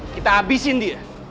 kita abisin dia